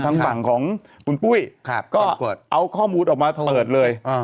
ทางฝั่งของคุณปุ้ยก็เอาข้อมูลออกมาเปิดเลย